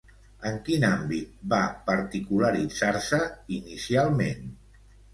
En quin àmbit va particularitzar-se, inicialment?